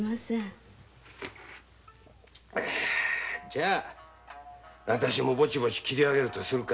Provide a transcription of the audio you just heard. じゃ私もぼちぼち切り上げるとするか。